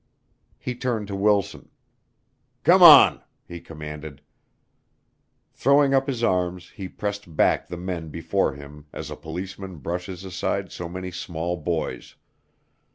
He turned to Wilson. "Come on," he commanded. Throwing up his arms he pressed back the men before him as a policeman brushes aside so many small boys.